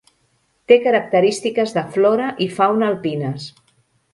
Té característiques de flora i fauna alpines.